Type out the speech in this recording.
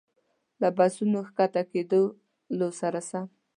له بسونو ښکته کېدلو سره سم.